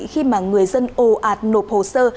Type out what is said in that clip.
khi mà người dân ồ ạp nộp hồ sơ